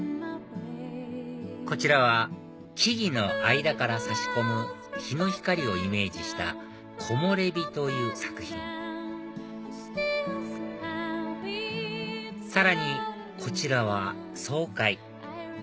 こちらは木々の間から差し込む日の光をイメージした『木漏れ日』という作品さらにこちらは『滄海』